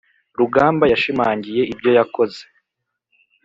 rugamba yashimangiye ibyo yakoze